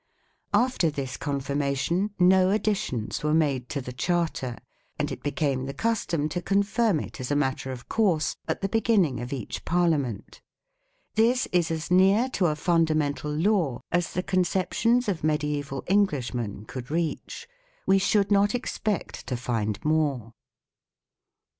After this confirmation no additions were made to the Charter, and it became the custom to confirm it as a matter of course at the beginning of each Parliament. This is as near to a fundamental law as the conceptions of mediaeval Englishmen could reach. We should not expect to find more. 'Bemont, "Chartes," p. 109. 2 " Rot. Parl.